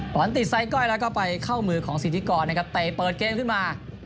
ตอนติดใส่ก้อยแล้วก็ไปเข้ามือของสินทรีย์ก่อนนะครับแต่เปิดเกมขึ้นมา